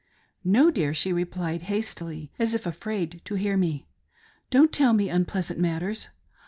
"No, dear," she replied hastily, as if afraid to hear me, "don't tell me unpleasant matters.